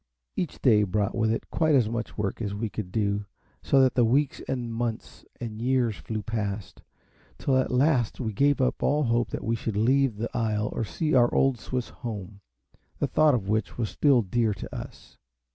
Each day brought with it quite as much work as we could do, so that weeks and months and years flew past, till at last we gave up all hope that we should leave the isle or see our old Swiss home, the thought of which was still dear to us.